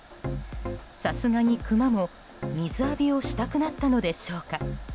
さすがにクマも水浴びをしたくなったのでしょうか。